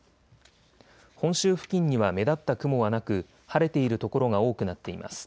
本州付近には目立った雲はなく晴れている所が多くなっています。